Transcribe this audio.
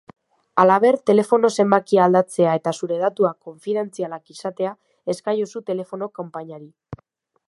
Halaber, telefono-zenbakia aldatzea eta zure datuak konfidentzialak izatea eskaiozu telefono konpainiari.